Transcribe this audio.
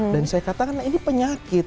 dan saya katakan ini penyakit